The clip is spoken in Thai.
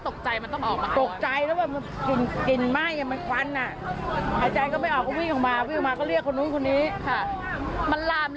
ตกใจแล้วว่ามันกลิ่นไหม้มันควัน